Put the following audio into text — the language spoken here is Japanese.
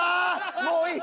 もういい。